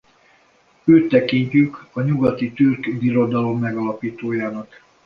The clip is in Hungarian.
Őt tekintjük a nyugati türk birodalom megalapítójának.